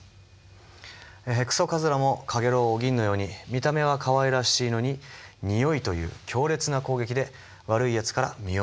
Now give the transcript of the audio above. ヘクソカズラもかげろうお銀のように見た目はかわいらしいのににおいという強烈な攻撃で悪いやつから身を守ってるんです。